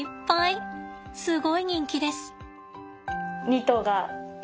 すごい人気です。